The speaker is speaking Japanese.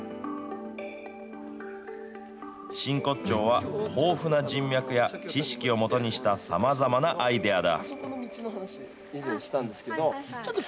真骨頂は、豊富な人脈や知識を基にしたさまざまなアイデアだ。